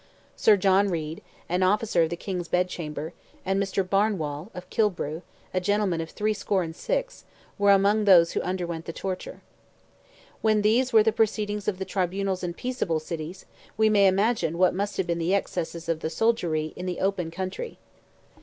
Sir John Read, an officer of the King's Bedchamber, and Mr. Barnwall, of Kilbrue, a gentleman of threescore and six, were among those who underwent the torture. When these were the proceedings of the tribunals in peaceable cities, we may imagine what must have been the excesses of the soldiery in the open county.